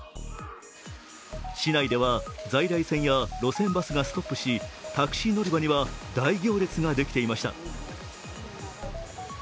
市内では、在来線や路線バスがストップしタクシー乗り場には大行列ができていました。